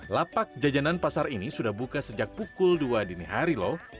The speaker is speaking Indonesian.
lapak jajanan pasar ini sudah buka sejak pukul dua dini hari loh